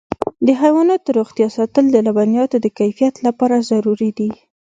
د حیواناتو روغتیا ساتل د لبنیاتو د کیفیت لپاره ضروري دي.